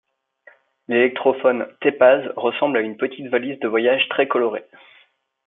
L'électrophone Teppaz ressemble à une petite valise de voyage très colorée.